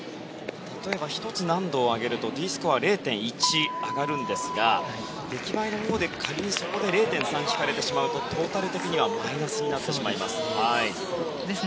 例えば１つ難度を上げるとＤスコアが０．１上がるんですが出来栄えで仮に０．３引かれてしまうとトータル的にはマイナスになってしまいます。